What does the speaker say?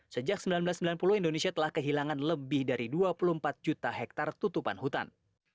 sejak seribu sembilan ratus sembilan puluh indonesia telah kehilangan lebih dari dua puluh empat juta hektare tutupan hutan